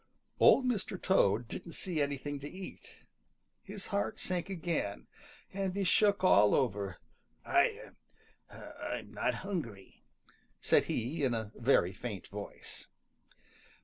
Old Mr. Toad didn't see anything to eat. His heart sank again, and he shook all over. "I I'm not hungry," said he in a very faint voice.